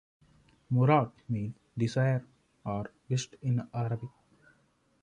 Murad means "desired" or "wished" in Arabic.